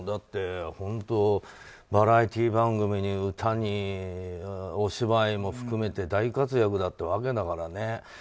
バラエティー番組に歌に、お芝居も含めて大活躍だったわけだからね。